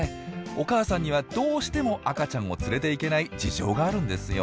お母さんにはどうしても赤ちゃんを連れていけない事情があるんですよ。